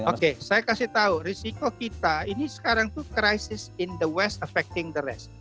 oke saya kasih tahu risiko kita ini sekarang itu krisis di barat yang menguasai kebanyakan